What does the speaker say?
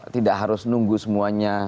tidak harus nunggu semuanya